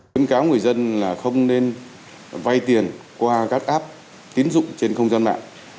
tuyên cáo người dân là không nên vây tiền qua các app tiến dụng trên không gian mạng